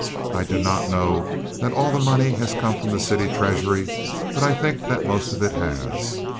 I do not know that all the money has come from the city treasury, but I think that most of it has.